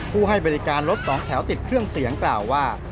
ให้บริการรถสองแถวติดเครื่องเสียงกล่าวว่า